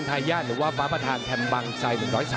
พี่น้องอ่ะพี่น้องอ่ะพี่น้องอ่ะ